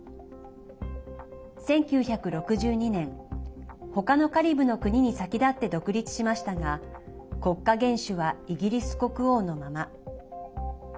１９６２年、他のカリブの国に先立って独立しましたが国家元首はイギリス国王のまま。